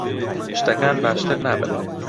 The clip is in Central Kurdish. شتەکان باشتر نابن.